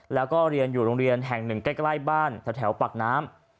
แล้วก็เรียนอยู่โรงเรียนแห่งหนึ่งใกล้บ้านแถวปากน้ำ